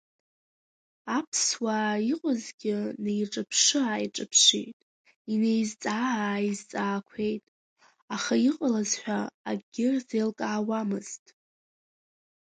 Аԥсуаа иҟазгьы неиҿаԥшы-ааиҿаԥшит, инеизҵаа-ааизҵаақәеит, аха иҟалаз ҳәа акгьы рзеилкаауамызт.